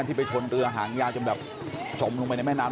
ที่ไปชนเรือหางยาวจนแบบจมลงไปในแม่น้ำ